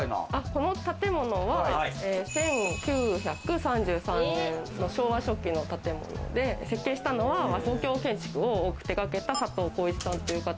この建物は１９３３年の昭和初期の建物で、設計したのは西洋建築を多く手がけた佐藤功一さんという方。